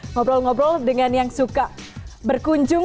ngobrol ngobrol dengan yang suka berkunjung